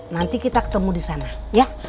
nanti kita ketemu di sana ya